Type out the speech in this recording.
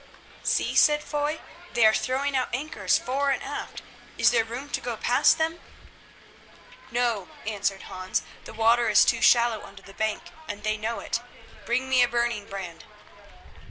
"See," said Foy, "they are throwing out anchors fore and aft. Is there room to go past them?" "No," answered Hans, "the water is too shallow under the bank, and they know it. Bring me a burning brand."